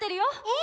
え